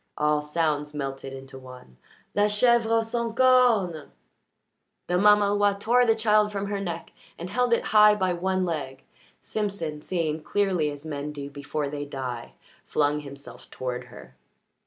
All sounds melted into one. "La chèvre sans cornes!" The mamaloi tore the child from her neck and held it high by one leg. Simpson, seeing clearly as men do before they die, flung himself toward her.